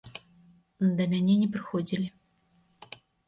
Да мяне не прыходзілі.